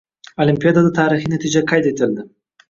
Olimpiadada tarixiy natija qayd etildi